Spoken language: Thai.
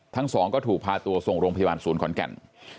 ทั้งสองก็ถูกพาตัวส่งโรงพยาบาลศูนย์ขอนแก่น